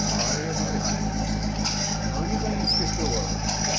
何かにつけ手を洗うというか。